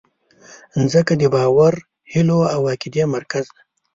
مځکه د باور، هیلو او عقیدې مرکز ده.